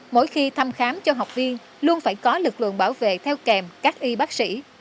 mỗi khi thăm khám cho học viên luôn phải có lực lượng bảo vệ theo kèm các y bác sĩ